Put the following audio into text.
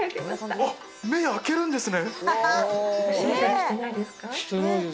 目を開けるんですね。